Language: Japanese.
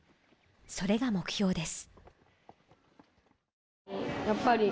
それが目標です